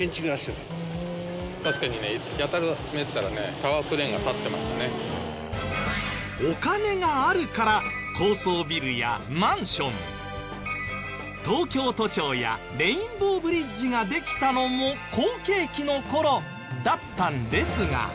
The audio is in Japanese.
確かにねお金があるから高層ビルやマンション東京都庁やレインボーブリッジができたのも好景気の頃だったんですが。